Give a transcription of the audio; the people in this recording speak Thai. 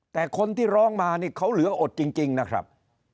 แต่คนที่ร้องมานี่เขาเหลืออดจริงนะครับ